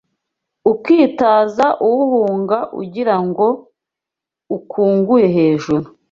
ukitaza uwuhunga ugira ngo ukuguye hejuru